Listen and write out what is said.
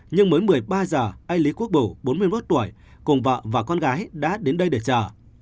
nhưng mới một mươi ba giờ anh lý quốc bủ bốn mươi một tuổi cùng vợ và con gái đã đến đây để chờ